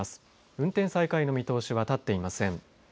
運転再開の見通しは立っていません。